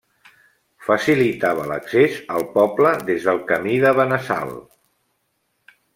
Facilitava l'accés al poble des del camí de Benassal.